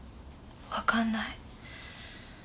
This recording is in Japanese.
わかんない。